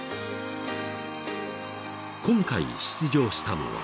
［今回出場したのは］